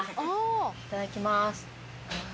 いただきます。